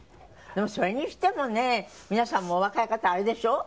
でもそれにしてもね皆さんもお若い方あれでしょ？